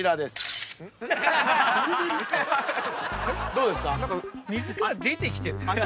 どうですか？